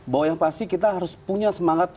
bahwa yang pasti kita harus punya semangat